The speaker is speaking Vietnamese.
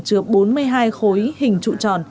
chứa bốn mươi hai khối hình trụ tròn